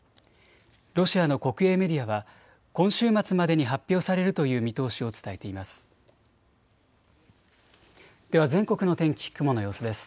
ロシアの国営メディアは今週末までに発表されるという見通しを伝えています。